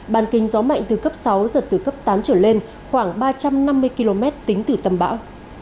bàn kính gió mạnh từ cấp sáu giật từ cấp tám trở lên khoảng ba trăm năm mươi km tính từ tâm bão